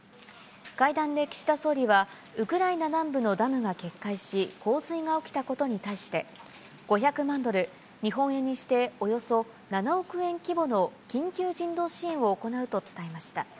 会談で岸田総理は、ウクライナ南部のダムが決壊し、洪水が起きたことに対して、５００万ドル、日本円にしておよそ７億円規模の緊急人道支援を行うと伝えました。